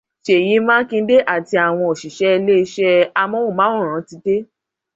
Sèyí Mákindé àti àwọn òṣìṣẹ́ ilé iṣẹ́ amóhùnmáwòrán ti dé